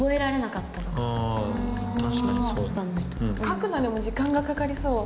書くのにも時間がかかりそう。